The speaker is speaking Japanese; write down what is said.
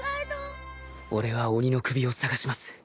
俺は鬼の首を捜します。